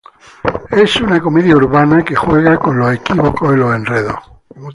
Es una comedia urbana que juega con los equívocos y los enredos.